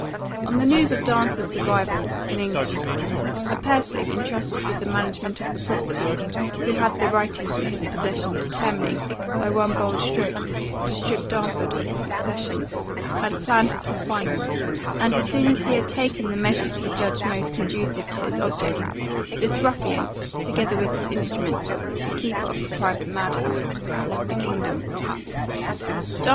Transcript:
On the news of Darnford's arrival [in England, a person, intrusted with the management of the property, and who had the writings in his possession, determining, by one bold stroke, to strip Darnford of the succession,] had planned his confinement; and [as soon as he had taken the measures he judged most conducive to his object, this ruffian, together with his instrument,] the keeper of the private mad house, left the kingdom.